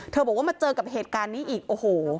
บอกว่ามาเจอกับเหตุการณ์นี้อีกโอ้โห